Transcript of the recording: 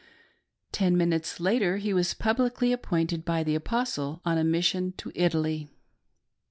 Ten minutes later he was publicly appointed by the Apostle on a mission to Italy.